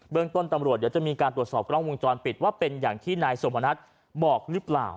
ต้นตำรวจเดี๋ยวจะมีการตรวจสอบกล้องวงจรปิดว่าเป็นอย่างที่นายสมณัฐบอกหรือเปล่า